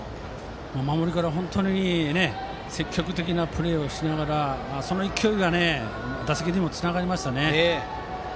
守りからで本当にいい積極的なプレーをしながらその勢いが打席にもつながりましたね。